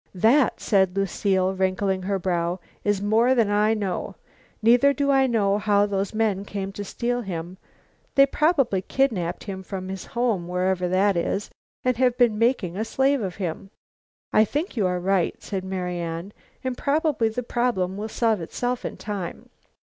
"That," said Lucile, wrinkling her brow, "is more than I know. Neither do I know how those men came to steal him. They probably kidnapped him from his home, wherever that is, and have been making a slave of him." "I think you are right," said Marian, "and probably the problem will solve itself in time."